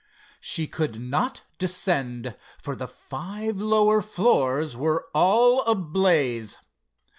She could not descend, for the five lower floors were all ablaze.